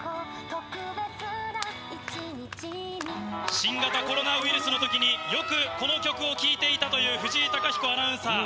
新型コロナウイルスのときによくこの曲を聴いていたという藤井貴彦アナウンサー。